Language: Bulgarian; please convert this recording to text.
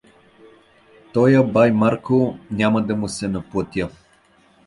— Тоя бай Марко, няма да му се наплатя.